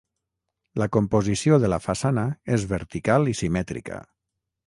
La composició de la façana és vertical i simètrica.